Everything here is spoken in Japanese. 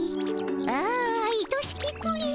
ああいとしきプリン。